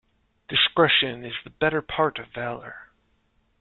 Discretion is the better part of valour.